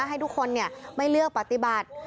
ให้ทุกคนไม่เลือกปฏิบัติ